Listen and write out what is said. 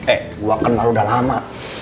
eh gue kenal udah lama